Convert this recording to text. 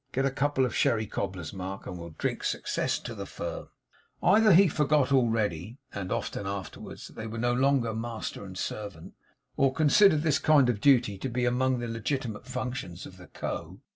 'Get a couple of sherry cobblers, Mark, and we'll drink success to the firm.' Either he forgot already (and often afterwards), that they were no longer master and servant, or considered this kind of duty to be among the legitimate functions of the Co.